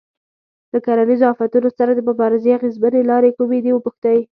له کرنیزو آفتونو سره د مبارزې اغېزمنې لارې کومې دي وپوښتئ.